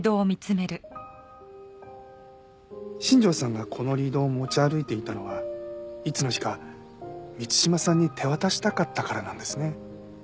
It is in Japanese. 新庄さんがこのリードを持ち歩いていたのはいつの日か満島さんに手渡したかったからなんですね。